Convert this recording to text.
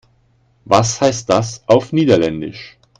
Was heißt das auf Niederländisch?